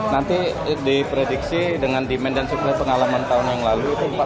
nanti diprediksi dengan demand dan supply pengalaman tahun yang lalu itu empat belas ribu pak